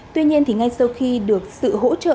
tuy nhiên ngay sau khi được sự hỗ trợ